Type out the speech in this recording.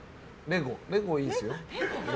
レゴいいですよ。